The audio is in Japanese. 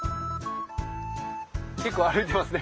結構歩いてますね